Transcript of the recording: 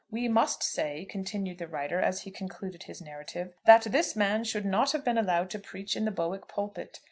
"We must say," continued the writer, as he concluded his narrative, "that this man should not have been allowed to preach in the Bowick pulpit.